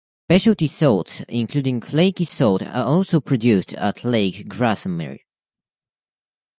Specialty salts, including flaky salt, are also produced at Lake Grassmere.